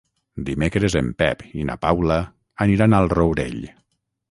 Dimecres en Pep i na Paula aniran al Rourell.